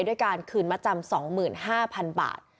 ด้วยการคืนมาจำ๒๕๐๐๐บาท